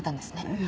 ええ。